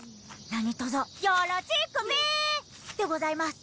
何とぞよろちくび！でございます。